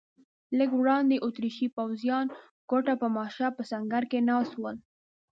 لږ وړاندې اتریشي پوځیان ګوته په ماشه په سنګر کې ناست ول.